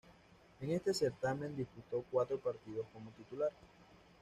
En este certamen disputó cuatro partidos como titular.